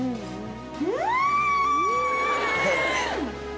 うん！